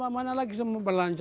mana lagi semua berlanjur